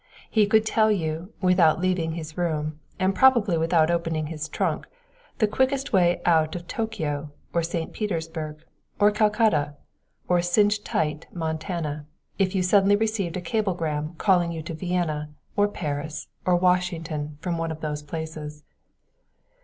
He could tell you, without leaving his room, and probably without opening his trunk, the quickest way out of Tokio, or St. Petersburg, or Calcutta, or Cinch Tight, Montana, if you suddenly received a cablegram calling you to Vienna or Paris or Washington from one of those places.